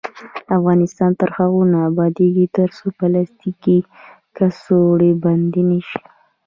افغانستان تر هغو نه ابادیږي، ترڅو پلاستیکي کڅوړې بندې نشي.